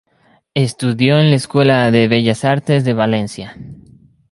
Estudió en la Escuela de Bellas Artes de Valencia.